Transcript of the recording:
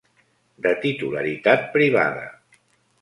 De titularitat privada.